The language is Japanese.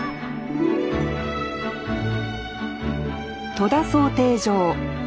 戸田漕艇場。